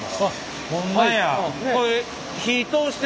ホンマや。